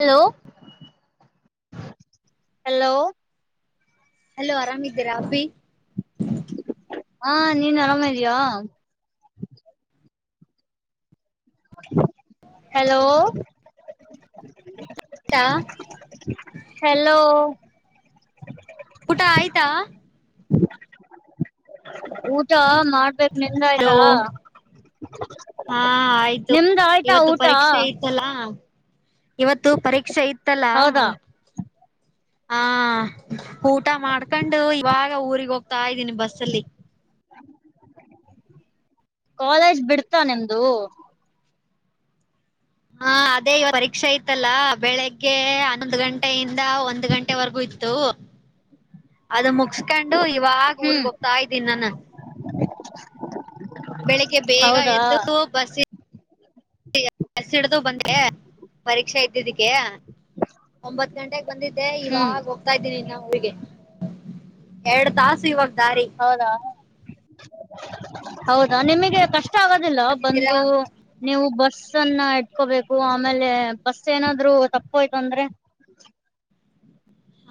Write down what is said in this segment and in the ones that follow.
Hello hello. Hello ಆರಾಮಿದ್ದೀರಾ ಅಭಿ. ಹಾ ನೀನು ಅರಾಮ ಅದಿಯಾ. ಹಲೋ. ಆಯ್ತಾ ಹೆಲೋ. ಪುಟ ಆಯ್ತಾ. ಊಟ ಮಾಡ್ಬೇಕ. ಹಲೋ ನಿಮ್ದಾಯ್ತಾ ಹಾ ನಿಮ್ದ ಆಯ್ತಾ ಊಟ. ಎಲ್ಲಾ ಇವತ್ತು ಪರೀಕ್ಷೆ ಇತ್ತಲ್ಲಾ. ಹೌದಾ ಹಾ ಊಟ ಮಾಡ್ಕೊಂಡು ಇವಾಗ ಊರಿಗೆ ಹೋಗ್. ಹೋಗ್ತಾ ಇದ್ದೀನಿ ಬಸ್ಸ ಅಲ್ಲಿ. ಕಾಲೇಜ್ ಬಿಡ್ತಾ ನಿಮ್ದು. ಹಾ ಅದೇ ಇವಾಗ ಪರೀಕ್ಷೆ ಐತಲ್ಲ ಬೆಳಿಗ್ಗೆ ಹನ್ನೊಂದು ಗಂಟೆ. ಗಂಟೆಯಿಂದ ಒಂದು್ ಗಂಟೆವರೆಗೂ ಇತ್ತು. ಅದು ಮುಗಸ್ಕೊಂಡು ಇವಾಗ ಹ್ಮ್ ಊರಿಗ ಹೋಗ್ತಾ ಇದ್ದೀನಿ ನಾನ. ಬೆಳಿಗ್ಗೆ ಬೇಗ ಹೌದಾ ಎದ್ದು ಬಸ್. ಬಸ್ಸು ಹಿಡಿದು ಪರೀಕ್ಷೆ ಇದ್ದಿದ್ದಕ್ಕೆ ಒಂಬತ. ಗಂಟೆಗೆ ಬಂದಿದ್ದೆ ಹ್ಮ್ ಇವಾಗ ಹೋಗ್ತಾ ಇದ್ದೀನಿ ಇನ್ನ ಊರಿಗೆ ಎರಡ್ ತಾಸು ಇವಾಗ ದಾರಿ. ಹೌದಾ ಹೌದಾ ನಿಮಗೆ ಕಷ್ಟ. ಕಷ್ಟ ಆಗೋದಿಲ್ಲ ಬರ್ತಿದ್ದೀರಾ ಬಂದು. ನೀವು ಬಸ್ ಅನ್ನ ಇಟ್ಕೋಬೇಕು ಆಮೇಲೆ ಬಸ್ ಏನಾದ್ರು ತಪ್ಪೋಯ್ತು ಅಂದ್ರೆ.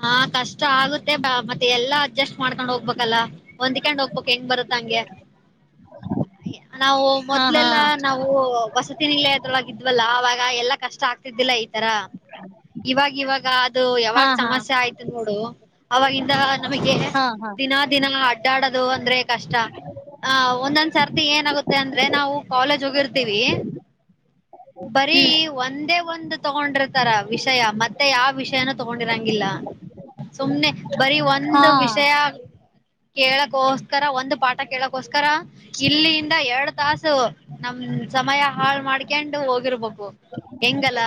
ಹಾ ಕಷ್ಟ ಆಗುತ್ತೆ ಬ ಮತ್ತೆ ಎಲ್ಲಾ ಅಡ್ಜಸ್ಟ್ ಮಾಡ್ಕೊಂಡ್ ಹೋಗ್ಬೇಕಲ್ಲ. ಒಂದ್ ಕಂಡ್ ಹೋಗ್ಬಬೇಕಕ್ ಹೆಂಗ್ ಬರತ್ತ ಹಂಗೆ. [inaudible] ನಾವು ಹಾ ಹಾ ಮೊದಲೆಲ್ಲಾ ನಾವ. ವಸತಿ ನಿಲಯದೊಳಗೆ ಇದ್ವಲ್ಲ ಅವಾಗ ಎಲ್ಲಾ ಕಷ್ಟ ಆಗ್ತಿದ್ದಿಲ್ಲ ಈ ತರ. ಇವ ಇವಾಗ ಅದು ಹಾ ಯಾವಾಗ. ಹಾ ಸಮಸ್ಯೆ ಆಯ್ತು ನೋಡು ಅವಾಗಿಂದ ನಮಗೆ ಹಾ ಹಾ ದಿನ ದಿನ. ಅಡಾಡದು ಅಂದ್ರೆ ಕಷ್ಟ. ಹ ಒಂದೊಂದ್ ಸರ್ತಿ ಏನಾಗುತ್ತೆ ಅಂದ್ರೆ ನಾವು ಕಾಲೇಜ್ ಹೋಗಿರ್ತೀವಿ. ಬರೀ ಒಂದೇ ಒಂದ್ ತಗೊಂಡಿರ್ತಾರ ವಿಷಯ ಮತ್ತೆ ಯಾವ ವಿಷಯನ ತಗೊಂಡ. ರಂಗಿಲ್ಲ ಸುಮ್ನೆ ಬರಿೀ ಹಾ ಒಂದು ವಿಷಯ. ಕೇಳಕೋಸ್ಕರ ಒಂದು್ ಪಾಠ ಕೇಳಕ್ಕೋಸ್ಕರ ಇಲ್ಲಿಂದ ಎರಡು ತಾಸು. ನಮ ಸಮಯ ಹಾಳ್ ಮಾಡ್ಕೊಂಡು ಹೋಗಿರ್ಬೇಕು ಹೆಂಗಲ್ಲ.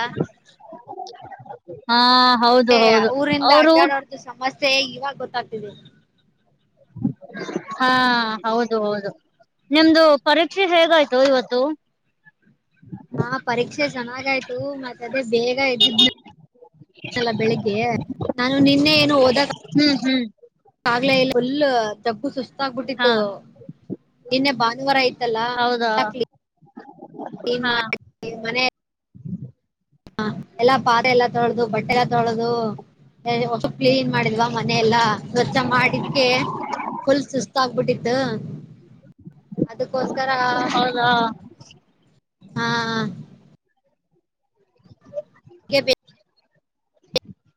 ಹಾ ಹೌದು ಏ ಹೌದು ಊರಿಂದ ಅವರು. ಅಡ್ಡಾಡೋರ್ದು ಸಮಸ್ಯೆ ಇವಾಗ ಗೊತ್ತಾಗ್ತಿದೆ. ಹಾ ಹೌದು ಹೌದು. ನಿಮ್ದು ಪರೀಕ್ಷೆ ಹೇಗಾಯ್ತು ಇವತ್ತು. ಹಾ ಪರೀಕ್ಷೆ ಚೆನ್ನಾಗ ಆಯ್ತು ಮತ್ತ ಅದೇ ಬೇಗ ಎದ್ದಿದ್ನ ಲ್ಲ ಬೆಳಿಗ್ಗೆ ನಾನು ನಿನ್ನೆ ಏನು ಹೋದಾ ಹ್ಮ್ ಹ್ಮ್. ಹಾಗ್ಲೇ ಎಲ್ ಫುಲ್ ದಬ್ಬು ಸುಸ್ತ ತ್ತ ಹಾ ಆಬಿಟ್ಟಿತ್ತು ನಿನ್ನೆ ಭಾನುವಾರ ಐತಲ್ಲ ಹೌದಾ ಹಾಕ್ಲಿ. ಕ್ಲಿನ್ ಹಾ [unintelligible] ಮನೇ. ಹ ಎಲ್ಲಾ ಪಾತ್ರೆ ಎಲ್ಲಾ ತೊಳೆದು ಬಟ್ಟೆ ಎಲ್ಲ ತೊಳೆದು. [unintelligible] ಕ್ಲೀನ್ ಮಾಡಿದ್ವಾ ಮನೆ ಎಲ್ಲಾ ಸ್ವಚ್ಛ ಮಾಡಿದ್ಕೆ ಫುಲ್ ಸುಸ್ತ ಆಗ್ಬಿಟ್ಟಿದ್ ದ ಅದಕ್ಕೋಸ್ಕರ. ಹೌದಾ ಹಾ ಹಾ. ಕೆಬೆ.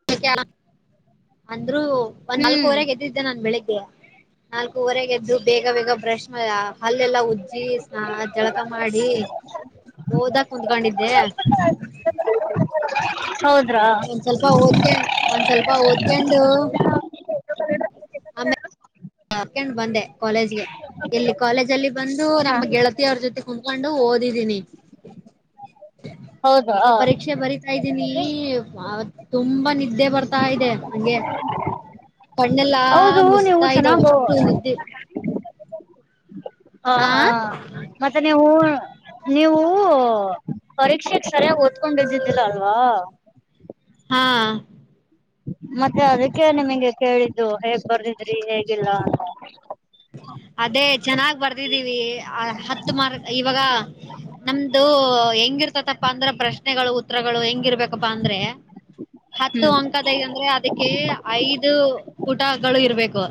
[unintelligible] ಅಂದ್ರು ಒಂದ್ ಹ್ಮ್ ನಾಲ್ಕುವರೆ ಗೆದಿದ್ ದೆ ನಾನ್ ಬೆಳಿಗ್ಗೆ ನಾಲ್ಕೂವರೆಗೆ ಎದ್ರು ಬೇಗ ಬೇಗ ಬ್ರಷ್ ಮಾ ಹಲ್ಲೆಲ್ಲ ಉ ಜ್ಜಿ ಸ್ನ್ ಜಳಕ ಮಾಡಿ ಓದಕ್ ಕುಂದ್ಕೊಂಡಿದ್ದೆ. ಹೌದ್ರಾ ಒಂದ್ ಸ್ವಲ್ಪ ಓದ್ಕಯನ್ ಒಂದ್ ಸ್ವಲ್ಪ ಓದ್ಕೊಂಡು. ಹಾಕ್ಯಾಂಡ್ ಬಂದೆ ಕಾಲೇಜ್ಗೆ. ಇಲ್ಲಿ ಕಾಲೇಜ್ ಅಲ್ಲಿ ಬಂದು ಹ ನಮ್ಮ ಗೆಳತಿಯ ಅವ್ರ ಜೊತೆ ಕುಂತ್ಕೊಂಡು ಓದಿದೀನಿ. [inaudible] ಹೌದಾ ಪರೀಕ್ಷೆ ಬರಿತಾ ಇದ್ದೀನಿ ಬಾಳ್ ತುಂಬಾ ನಿದ್ದೆ ಬರ್ತಾ ಇದೆ ಅಂಗೆ ಕಣ್ಣೆಲ್ಲಾ ಹೌದು ನೀವು ಮುಸ್ತಾ ಇದೆ. [unintelligible] ಚೆನ್ನಾಗ ಅಷ್ಟು ನಿದ್ದೆ. ಹಾ ಆ ಹಾ ಮತ್ತೆ ನೀವು ನೀವು ಪರೀಕ್ಷೆ ಸರಿಯಾಗಿ ಓದ್ಕೊಂಡಿದ್ದಿದ್ದಿಲ್ಲ ಅಲ್ವಾ. ಹಾ ಮತ್ತೆ ಅದಕ್ಕೆ ನಿಮಗೆ ಕೇಳಿದ್ದು ಹೇಗ್ ಬರ್ದಿದ್ರಿ ಹೇಗಿಲ್ಲ ಅಂತ. ಅದೇ ಚೆನ್ನಾಗ್ ಬರ್ದಿದ್ದೀವಿ ಹತ್ತು ಮಾರ್ ಇವಾಗ. ನಮ್ದು ಹೆಂಗಿರ್ತತಪ್ಪ ಅಂದ್ರ ಪ್ರಶ್ನೆಗಳು ಉತ್ತರಗಳು ಹೆಂಗಿರ್ಬೇಕ ಪ ಅಂದ್ರೆ ಹತ್ತು ಹ್ಮ್ ಅಂಕದ ಅಂದ್ರೆ ಅದಕ್ ಕೆ ಐದು ಪುಟಗಳು ಇರ್ಬೇಕು.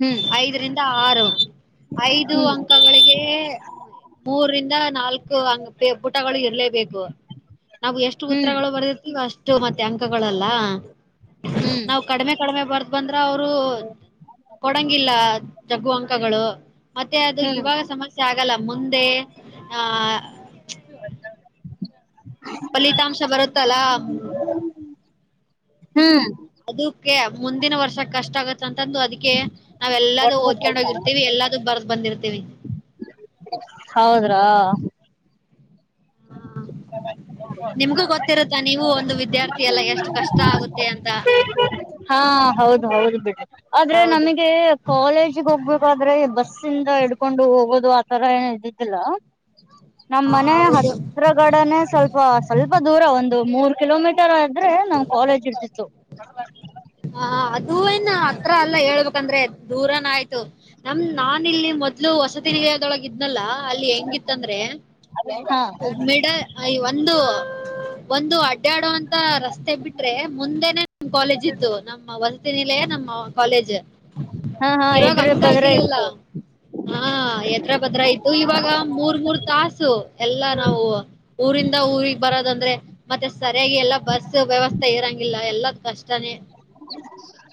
ಹ್ಮ್ ಐದರಿಂದ ಆರು ಐದು ಹ್ಮ್ ಅಂಕಗಳಿಗೆ ಮೂರರಿಂದ ನಾಲ್ಕು ಹಂಗ ಪೆ ಪುಟಗಳು ಇರ್ಲೇಬೇಕು. ನಾವು ಎಷ್ಟು ಹ್ಮ್ ಉತ್ತರಗಳು ಬರೆದಿರ್ತೀವೋ ಅಷ್ಟು ಮತ್ತೆ ಅಂಕಗಳಲ್ಲ ನಾವು ಕಡಿಮೆ ಕಡಿಮೆ ಬರ್ದ ಬಂದ್ರ ಅವರು ಕೊಡಂಗಿಲ್ಲ ಜಗ್ಗು ಅಂಕಗಳು ಮತ್ತೆ ಅದು ಹ್ಮ್ ಹ್ಮ್ ಇವಾಗ ಸಮಸ್ಯ ಚ ಆಗಲ್ಲ ಮುಂದೆ ಹಾ. ಫಲಿತಾಂಶ ಬರುತ್ತಲ್ಲಾ. [inaudible] ಹ್ಮ್ ಅದಕ್ಕೆ ಮುಂದಿನ ವರ್ಷ ಕಷ್ಟ ಆಗತ್ತ ಅಂತಂದು ಅದಕ್ಕೆ ನಾವ ಎಲ್ಲೂ ಒಟ್ಟು ಓದ್ಕೊಂಡ್ ಗೊತ್ತಾಯ್ತಾ ಹೋಗಿರ್ತೀವಿ ಎಲ್ಲ ದು ಬರ್ದ ಬಂದಿರ್ತೀವಿ. ಹೌದ್ರಾ ನಿಮ್ಗೂ ಗೊತ್ತಿರುತ್ತಾ ಬಬಾಯ್ ನೀವು ಒಂದು ವಿದ್ಯಾರ್ಥಿ ಎಲ್ಲ ಎಷ್ಟು ಕಷ್ಟ ಆಗುತ್ತೆ ಅಂತ [inaudible] ಹಾ ಹೌದು ಹೌದು ಬಿಡಿ ಆದ್ರೆ ಹೌದು ನನಗೇ. ಕ್ವಲೇಜಿಗೆ ಹೋಗ್ಬೇಕಾದ್ರೆ ಬಸ್ಸಿಂದ ಇಡ್ಕೊಂಡು ಹೋಗೋದು ಆತರ ಏನ ಇದ್ದಿದ್ದಿಲ್ಲ. ನಮ್ಮ್ ಹ ಮನೆ ಹೌದು ಹತ್ರ ಕಡನೆೇ ಸ್ವಲ್ಪ ಸ್ವಲ್ಪ ದೂರ ಒಂದು ಮೂರ್ ಕಿಲೋಮೀಟರ್ ಆದ್ರೆ ನಮ್ ಕ್ವಲೇಜ್ ಇರ್ತಿತ್ತು. [unintelligible] ಹ ಅದು ಏನ್ ಹತ್ರ ಅಲ್ಲ ಹೇಳ್ಬೇಕಂದ್ರೆ ದೂರನ ಆಯ್ತು. ನಮ್ ನಾನಿಲ್ಲಿ ಮೊದ್ಲು ಹೊಸ ತಿರಿಗೆದೊಳ ಇದ್ನಲ್ಲಾ ಅಲ್ಲಿ ಹೆಂಗಿತ್ತಂದ್ರೆ. ಹಾ ಮಿಡ ಐ ಒಂದು ಒಂದು ಅ ಟ್ಯಡುವಂತ ರಸ್ತೆ ಬಿಟ್ರೆ ಮುಂದೆನೆ ಕ್ವಲೇಜ್ ಇತ್ತು. ಆ ವನ್ ತಿನಿಲೇ ನಮ್ಮ ಕಾಲೇಜ್ ಹಾ ಹಾ ಇವಾಗ ಎದ್ರ ಅಂತ ಬದ್ರ ಆಕಿಲ್ಲಿಲ್ಲ. ಇತ್ತು ಹಾ ಎಧ್ರ ಭದ್ರ ಇತ್ತು ಇವಾಗ ಮೂರ್ ಮೂರ್ ತಾಸು ಎಲ್ಲಾ ನಾವು. ಊರಿಂದ ಊರಿಗೆ ಬರೋದಂದ್ರೆ ಮತ್ತೆ. ಸರಿಯಾಗಿ ಎಲ್ಲಾ ಬಸ್ ವ್ಯವಸ್ಥೆ ಇರಂಗಿಲ್ಲ ಎಲ್ಲ ಕಷ್ಟನೇ.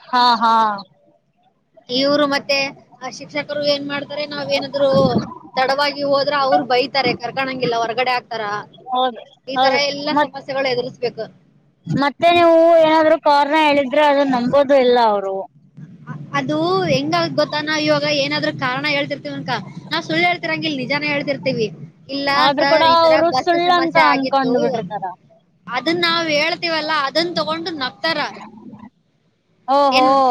ಹಾ ಹಾ ಇವ್ರು ಮತ್ತೆ ಆ ಶಿಕ್ಷಕರು ಏನ್ ಮಾಡ್ತಾರೆ ನಾವ್ ಏನಾದ್ರು. ತಡವಾಗಿ ಹೋದ್ರ ಅವ್ರು ಬೈತಾರೆ ಕರ್ಕಳಂಗಿಲ್ಲ ಹೊರಗಡೆ ಆಕ್ತಾರ. ಅದ ಹೌದು ಮ ಸಮಸ್ಯೆಗಳು ಎದುರಿಸ್ಬೇಕು. ಮತ್ತೆ ನೀವು ಏನಾದ್ರು ಕಾರ್ಣಾ ಹೇಳಿದ್ರ ಅದನ್ನ ನಂಬೋದು ಇಲ್ಲ ಅವ್ರು. ಆ ಅದು ಹೆಂಗ ಅಗತ್ ಗೊತ್ತಾ ನಾವ್ ಇವಾಗ ಏನಾದ್ರು ಕಾರಣ ಹೇಳ್ತಿ ತ್ವಿಂಕಾ ನಾ ಸುಳ್ಳು ಹೇಳ್ತಿರಂಗಿಲ್ಲ ನಿಜಾನೇ ಹೇಳ್ತಿರ್ತಿವಿ ಇಲ್ಲ ಆದ್ರೂ ಕೂಡ ಸರ್ ಈ ತರ ಬ [unintelligible] ಸಮಸ್ಯೆ ಆಗಿತ್ತು. ತಾ ಅದನ್ ನಾವ್ ಹೇಳ್ತೀವಲ್ಲಾ ಅದನ್ ತೊಗೊಂಡು ನಗ್ತಾರ ಓಹೋ ಏ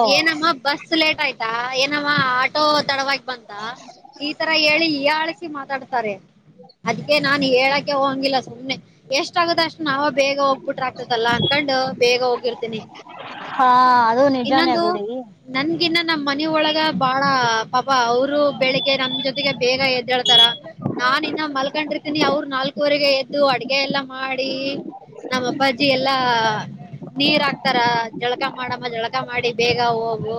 ಬಸ್ ಲೇಟ್ ಆಯ್ತಾ ಏನವ್ವ ಆಟೋ ತಡವಾಗಿ ಬಂತಾ. ಈ ತರ ಹೇಳಿ ಹೀಯಾಳಿಸಿ ಮಾತಾಡ್ತಾರೆ. ಅದಿಕ್ಕೆ ನಾನ್ ಹೇಳಕೆ ಹೊಂಗಿಲ್ಲ ಸುಮ್ನೆ ಎಷ್ಟ ಆಗುತ್ ಅಷ್ಟು ನಾವ. ಬೇಗ ಹೋಗ್ಬುಟ್ರ ಆಗ್ತತಲ್ಲ ಅನ್ಕೊಂಡು ಬೇಗ ಹೋಗಿರ್ತಿನಿ ಹಾ ಅದು ನಿಜಾನೇ ಇನ್ನೊಂದು. ಬಿಡಿ ನನ್ಗಿನ್ನ ನಮ್ ಮನಿಹೊಳಗ ಬಾಳ ಪಾಪ ಅವ್ರು ಬೆಳಿಗ್ಗೆ ನಮ ಜೊತೆಗೆ ಬೇಗ ಎದ್ದೇಳ್ತಾರ. ನಾನಿನ್ನ ಮಲ್ಕೊಂಡಿರ್ತೀನಿ ಅವ್ರ ನಾಲ್ಕವರೆಗೆ ಎದ್ದು ಅಡ್ಗೆ ಎಲ್ಲಾ ಮಾಡಿ. ನಮ್ಮ ಅಪ್ಪಾಜಿ ಎಲ್ಲಾ ನೀರ್ ಹಾಕ್ತಾರ ಜಳಕ ಮಾಡಮ್ಮ ಜಳಕ ಮಾಡಿ. ಬೇಗ ಹೋಗು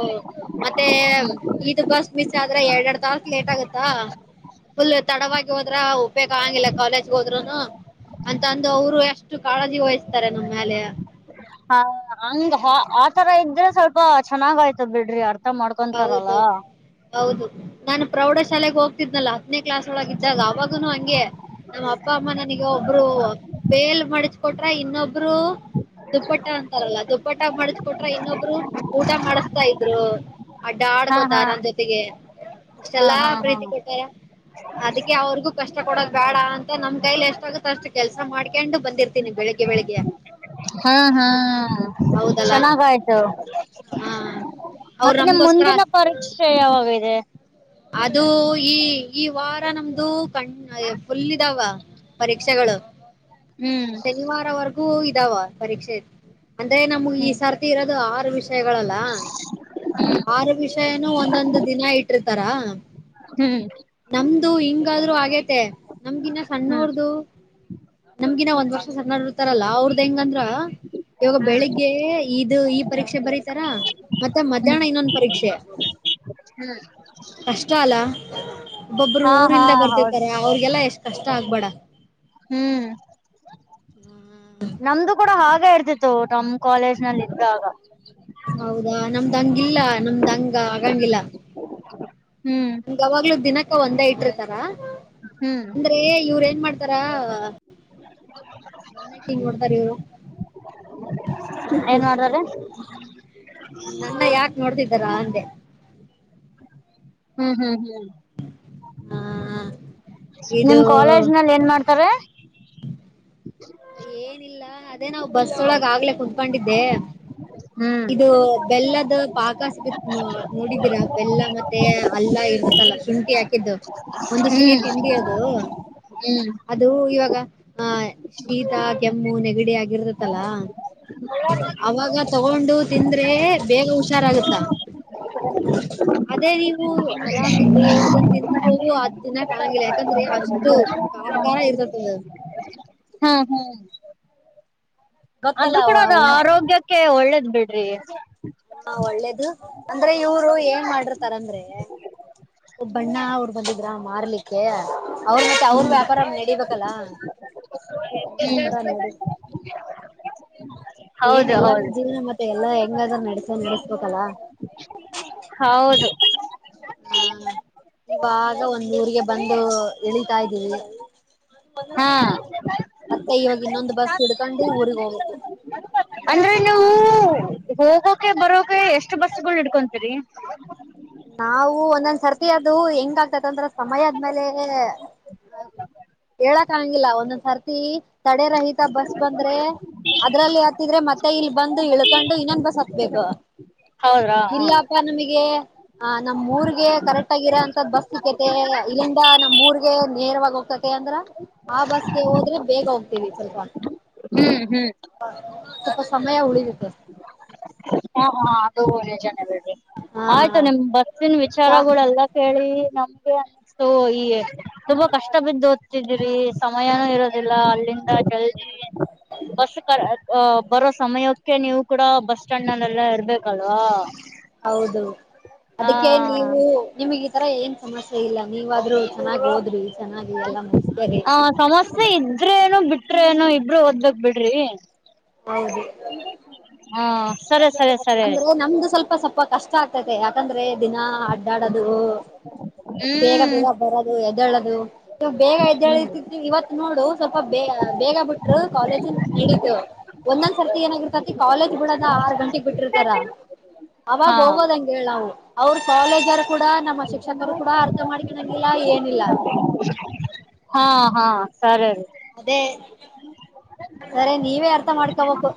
ಮತ್ತೇ. ಇಟು ಬಸ್ ಮಿಸ್ ಆದ್ರ ಎರ್ಡ್ ಎರ್ಡ್ ತಾಸ್ ಲೇಟ್ ಆಗತ್ತಾ. ಫುಲ್ ತಡವಾಗಿ ಹೋದ್ರ ಉಪೇಗ ಆಂಗಿಲ್ಲ ಕಾಲೇಜ್ಗೆ ಹೋದ್ರುನು. ಅಂತಂದು ಅವ್ರು ಎಷ್ಟು ಕಾಳಜಿ ವಹಿಸ್ತಾರೆ ನಮ್ಮ ಮ್ಯಲೆ. ಹಾ ಹಂಗ ಹ ಆತರ ಇದ್ರೆ ಸ್ವಲ್ಪ ಚೆನ್ನಾಗ ಆಯ್ತದ ಬಿಡ್ರಿ ಆ ಹೌದು ಹೌದು ನಾನು ಪ್ರೌಢ ಶಾಲೆೆಗೆ ಹೋಗ್ತಿದ್ನಲ್ಲಾ. ಹತ್ನೇ ಕ್ಲಾಸ್ ಒಳಗ ಇದ್ದಾಗ ಅವಾಗನು ಹಂಗೆ ನಮ್ಮ ಅಪ್ಪ ಅಮ್ಮ ನನಗ ಒಬ್ರು ಪೇಲ್ ಮಾಡಿ ಕೊಟ್ರ ಇನ್ನೊಬ್ರು. ದುಪ್ಪಟ್ಟ ಅಂತಾರಲ್ಲ ದುಪ್ಪಟ್ಟ ಮಾಡಚ್ಕೊಟ್ರೆ ಇನ್ನೊಬ್ರು ಊಟ ಮಾಡಸ್ತಾ ಇದ್ರು. ಹಾ ಹಾ ಡಾಡ್ಕೋತಾರ ನನ್ ಜೊತೆಗೆ ಹಾ ಇಷ್ಟೆಲ್ಲಾ ಹಾ ಪ್ರೀತಿ ಕೊಟ್ಟಾರ ಅದಿಕ್ಕೆ. ಅವ್ರುಗೂ ಕಷ್ಟ ಕೊಡದ್ ಬ್ಯಡ ಅಂತ ನಮ್ ಕೈಲಿ ಎಷ್ಟಾಗತ್ತ ಅಸ್ಟಿ ಕೆಲ್ಸ ಮಾಡ್ಕಿಂಡು ಬಂದಿರ್ತೀನಿ ಬೆಳಿಗ್ಗೆ ಬೆಳಿಗ್ಗೆ. ಹ್ಮಾ ಹ್ಮಾ ಹೌದಲ್ಲ ಚೆನ್ನಾಗ ಆಯ್ತು. ಹಾ ಅವ್ರು ಮತ್ತೆ ನಿಮ್ಮ್ ನಮ್ಗೋಸ್ಕರ ಮುಂದಿನ ಅಷ್ಟ ಪರೀಕ್ಷೆ ಯಾವಾಗಿದೆ. ಅದು ಈ ಈ ವಾರ ನಮ್ದು ಕಣ ಫುಲ್ ಇದಾವ ಪರೀಕ್ಷೆಗಳು ಹ್ಮ್ ಸೆ ಶನಿವಾರವರೆಗೂ ಇದಾವ ಪರೀಕ್ಷೆ. ಅಂದ್ರೆ ನಮ್ಗ್ ಈ ಹ್ಮ್ ಸರ್ತಿ ಇರೋದು ಆರು ವಿಷಯಗಳಲ್ಲ. ಆರು ವಿಷಯನೂ ಒಂದೊಂದು ದಿನ ಇಟ್ಟ್ರ ಆ ಹ್ಮ್ ನಮ್ದು ಹಿಂಗಾದ್ರು ಆಗೇತೆ ನಮ್ಗಿನ್ನ ಹ್ಮ್ ಸಣ್ಣೋರ್ದ ನಮ್ಗಿನ ಒಂದ್ ವರ್ಷ ಸಣ್ಣೊರ ಇರ್ತಾರಲ್ಲ ಅವ್ರದ ಹೆಂಗಂದ್ರ ಇವಾಗ ಹ್ಮ್ ಬೆಳಿಗ್ಗೆ ಇದು ಈ ಪರೀಕ್ಷೆ ಬರತಾರ ಮತ್ತೆ ಮಧ್ಯಾಹ್ನ ಇನ್ನೊಂದು ಪರೀಕ್ಷೆ. ಹ್ಮ್. ಕಷ್ಟ ಅಲ್ಲ ಒಬ್ಬೊಬ್ರು ಹಾ ಹಾ ಊರಿಂದ ಹೌದು ಬರ್ತಿರ್ತಾರೆ ಅವ್ರಿಗೆಲ್ಲ ಎಷ್ಟ್ ಕಷ್ಟ ಆಗ್ಬೇಡ. ಹ್ಮ್. ನಮ್ದು ಕೂಡ ಹಾಗೆ ಇರ್ತಿತ್ತು ನಮ್ ಕಾಲೇಜ್ ನಲ್ಲ ಇದ್ದಾಗ. ಹೌದಾ ನಮ್ದ ಹಂಗಿಲ್ಲ ನಮ್ದ್ಂಗ ಆಗಂಗಿಲ್ಲ ಹ್ಮ್ ಯಾವಾಗ್ಲೂ ದಿನಕ್ಕ ಒಂದೇ ಇಟ್ಟಿರ್ತಾರ ಹ್ಮ್ ಅಂದ್ರೆ ಇವ್ರ ಏನ್ ಮಾಡ್ತಾರ ನನ್ ಯಾಕ್ ಹಿಂಗ್ ನೋಡ್ತಾರ್ ಇವ್ರು ಹ್ ಹ್ ಸರೆ ನನ್ನ ಯಾಕ ನೋಡ್ತಿದ್ದಾರಾ ಅಂದೆ. ಹ್ಮ್ ಹ್ಮ್ ಹ್ಮ್ ಹ ಇದು ನಿಮ್ ಕಾಲೇಜ್ ನಲ್ಲ ಏನ್ ಮಾಡ್ತಾರೆ. [inaudible] ಆ ಅದೇನೋ ಬಸ್ ಒಳಗ ಆಗ್ಲೆ ಕುತ್ಕೊಂಡಿದ್ದೆ. ಹ್ಮ್ ಇದು ಬೆಲ್ಲದ ಪಾಕ ಸಿಗತ್ ನೋಡಿದೀರಾ ಬೆಲ್ಲ ಮತ್ತೆ ಅಲ್ಲ ಇ ಲ್ಲ ಶುಂಠಿ ಹಾಕಿದ್ದು ಒಂದು ಸಿಹಿ ಹ್ಮ್ ತಿಂಡಿ ಅದು. ಹ್ಮ್ ಅದು ಇವಾಗ ಆಹ ಶೀತ ಕೆಮ್ಮು ನೆಗಡಿ ಆಗಿರ್ತಲ್ಲಾ. ಅವಾಗ ತಗೊಂಡು ತಿಂದ್ರೆ ಬೇಗ ಹುಷಾರಾಗುತ್ತಾ. [unintelligible] ಅದೇ ನೀವು ಆರಾಮಿದ್ದು ಅದನ್ನ ತಿನ್ನೋದು ಅದ್ ತಿನ್ನಕ್ ಆಗಂಗಿಲ್ ಯಾಕಂದ್ರೆ ಅಷ್ಟು ಖಾರ ಖಾರ ಇರ್ತತದ. ಹ್ಮ್ ಹ್ಮ್ ಗೊತ್ತಲ್ಲ ಆದ್ರು ಕೂಡ ಅದ ಅವ ಆರೋಗ್ಯಕ್ಕೆ ಒಳ್ಳೇದ್ ಬಿಡ್ರಿ. ಹಾ ಒಳ್ಳೇದು ಅಂದ್ರೆ ಇವ್ರು ಏನ್ ಮಾಡಿರ್ ತರಂದ್ರೆ ಒಬ್ ಅಣ್ಣ ಅವ್ರು ಬಂದಿದ್ರ ಮಾರ್ಲಿಕ್ಕೆ. ಅವ್ರ ಅವ್ರ ವ್ಯಾಪಾರ ನಡಿಬೇಕಲ್ಲಾ ಹ ವ್ಯಾಪಾರ ನಡಿ ಏನ್ ಹೌದು ಎಲ್ಲಾರ ಹೌದು ಜೀವನ ಮತ್ ಎಲ್ಲ ಹೆಂಗಾದ್ರೂ ನಡಸ ನಡಸ್ಬೇಕಲ್ಲಾ. ಹೌದು ಹಾ ಇವಾಗ ಒಂದ್ ಊರಿಗೆ ಬಂದು ಇಳಿತಾ ಇದೀವಿ. ಹಾ [unintelligible] ಮತ್ತೆ ಇವಾಗ ಇನ್ನೊಂದು ಬಸ್ ಹಡ್ಕೊಂಡು ಊರಿಗ್ ಹೋಗ್ಬೇಕು. ಅಂದ್ರೆ ನೀವು ನಾನ್ ಹೋಗೋಕೆ ಬರೋಕೆ ಎಷ್ಟು ಬಸ್ಗಳು ಇಡ್ಕೊಂತೀರಿ. ನಾವು ಒಂದೊಂದ್ ಸರ್ತಿ ಅದು ಹೆಂಗ ಆಗ್ತೇತಂದ್ರ ಸಮಯ ಆದ್ಮೇಲೆ ಹೇಳಕ್ ಆಗ್ಗಂಗಿಲ ಒಂದೊಂದ್ ಸರ್ತಿ ತಡೆ ರಹಿತ ಬಸ್ ಬಂದ್ರೆ ಅದ್ರಲ್ಲಿ ಹತ್ತಿದ್ರೆ ಮತ್ತೆ ಇಲ್ಲಿ ಬಂದು ಇಳ್ಕೊಂಡು ಇನ್ನೊನ್ ಬಸ್ ಹತ್ ಬೇಕು ಹೌದ್ರಾ ಹ ಇಲ್ಲಪ್ಪಾ ನಮಗೆ ಹಾ ನಮ್ ಊರ್ಗೆ ಕರೆಕ್ಟ್ ಆಗಿ ಇರ ಅಂತದ್ ಬಸ್ ಸಿಕ್ಕತೆ ಇಲ್ಲಿಂದ ನಮ್ ಊರ್ಗೆ ನೇರವಾಗಿ ಹೋಗ್ತತಿ ಅಂದ್ರ ಆ ಬಸ್ಗೆ ಹೋದ್ರೆ ಬೇಗ ಹೋಗ್ತೀವಿ ಸ್ವಲ್ಪ ಹ್ಮ್ ಹ್ಮ್ ಸ್ವಲ್ಪ ಸಮಯ ಉಳಿತತೆ ಹಾ ಹಾ ಅದು ನಿಜಾನೆ ಬಿಡ್ರಿ ಹಾ ಆಯ್ತು ನಿಮ್ ಬಸ್ಸಿನ ಸಾ ವಿಚಾರಗೊಳ ಎಲ್ಲ ಕೇಳಿ ನಮ್ಗೆ ಅನ್ನಸ್ತು ಈ ತುಂಬಾ ಕಷ್ಟ ಬಿದ್ದ ಓದ್ತಿದ್ದೀರಿ ಸಮಯಾನೂ ಇರೋದಿಲ್ಲ ಅಲ್ಲಿಂದ ಕೆ ಬಸ್ ಬರ್ ಬರೋ ಸಮಯಕ್ಕೆ ನೀವು ಕೂಡ ಬಸ್ ಸ್ಟಾಂಡ್ ನಲ್ಲೆ ಇರ್ಬೇಕಲ್ವಾ ಹೌದು ಹಾ ಅದಕ್ಕೆ ನೀವು ನಿಮಗೆ ಆ ತರ ಏನ್ ಸಮಸ್ಯೆ ಇಲ್ಲ ನೀವಾದ್ರೂ ಚೆನ್ನಾಗ ಒದ್ರಿ ಚೆನ್ನಾಗಿ ಎಲ್ಲಾ ಮುಗಸ್ಕರಿ ಆ ಸಮಸ್ಯೆ ಇದ್ರೇ ಏನು ಬಿಟ್ರೆ ಏನು ಇಬ್ರು ಓದ್ಬೇಕ ಬಿಡ್ರಿ ಹೌದು ಹಾ ಸರಿ ಸರಿ ಹೇಳಿ ಅಂದ್ರೆ ನಮ್ದು ಸ್ವಲ್ಪ ಸ್ವಲ್ಪ ಕಷ್ಟ ಆಗ್ತತೆ ಯಾಕಂದ್ರೆ ದಿನ ಅಡ್ಡಾಡದು ಬೇಗ ಹ್ಮ್ ಬೇಗ ಬರದು ಎದ್ದೇಳೋದು ನೀವು ಬೇಗ ಎದ್ದಳತತ್ ಇವತ್ತ ನೋಡು ಸ್ವಲ್ಪ ಬೇ ಬೇಗ ಬಿಟ್ರು ಕಾಲೇಜನ ನಡೀತು ಒಂದೊಂದ್ ಸರ್ತಿ ಏನಾಗಿರ್ತತಿ ಕಾಲೇಜ್ ಬಿಡದ ಆರ್ ಗಂಟೆಕ್ ಬಿಟ್ಟಿರ್ತಾರ ಅವಾಗ ಹಾ ಹೋಗೋದಂಗ್ ಹೇಳ್ ನಾವು ಅವರು ಕಾಲೇಜರ್ ಕೂಡ ನಮ್ಮ ಶಿಕ್ಷಕರು ಕೂಡ ಅರ್ಥ ಮಾಡ್ಕನಂಗಿಲ್ಲ ಏನಿಲ್ಲ. ಹಾ ಹಾ ಸರಿ ರೀ. ಅದೇ ಸರಿ ನೀವೇ ಅರ್ಥ ಮಾಡಕೊಬೇಕು.